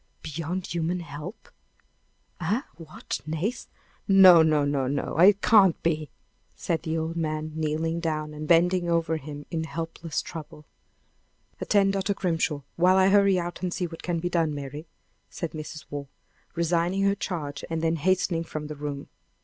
"Beyond human help! Eh! what? Nace! No! no! no! no! It can't be!" said the old man, kneeling down, and bending over him in helpless trouble. "Attend Dr. Grimshaw, while I hurry out and see what can be done, Mary," said Mrs. Waugh, resigning her charge, and then hastening from the room.